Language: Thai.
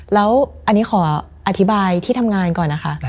แล้วอันนี้ขออธิบายที่ทำงานก่อนนะคะ